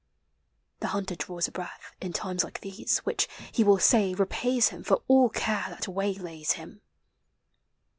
The hunter draws a breath In times like these, which, he will say, repays him For all care that waylays him.